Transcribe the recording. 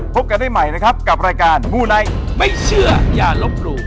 พบกันได้ใหม่นะครับกับรายการมูไนท์ไม่เชื่ออย่าลบหลู่